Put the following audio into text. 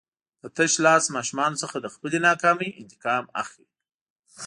د تشلاس ماشومانو څخه د خپلې ناکامۍ انتقام اخلي.